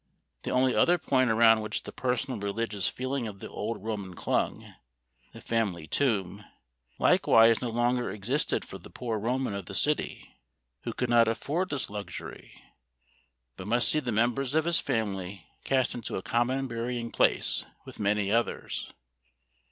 The only other point around which the personal religious feeling of the old Roman clung the family tomb likewise no longer existed for the poor Roman of the city, who could not afford this luxury, but must see the members of his family cast into a common burying place with many others (p.